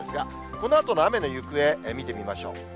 このあとの雨の行方、見てみましょう。